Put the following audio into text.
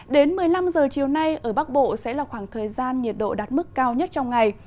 đến một mươi năm giờ chiều nay ở bắc bộ sẽ là khoảng thời gian nhiệt độ đạt mức cao nhất trong ngày